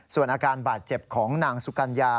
ส่วนอาการบาดเจ็บของนางสุกัญญา